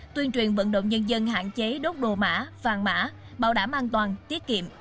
tuyên truyền vận động nhân dân hạn chế đốt đồ mã vàng mã bảo đảm an toàn tiết kiệm